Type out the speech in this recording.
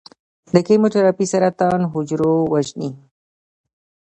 د کیموتراپي سرطان حجرو وژني.